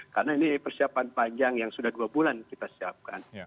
karena ini persiapan panjang yang sudah dua bulan kita siapkan